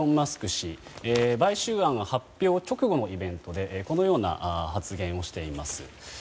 氏買収案発表直後のイベントでこのような発言をしています。